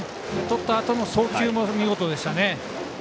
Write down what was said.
とったあとの送球も見事でしたね。